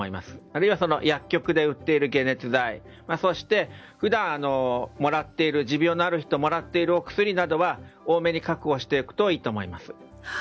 あるいは薬局で売っている解熱剤そして普段、持病のある人がもらっているお薬などは多めに確保していくといいと思います。